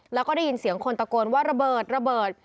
แล้วก็ได้ยินเสียงคนตะโกนว่าระเบิดระเบิด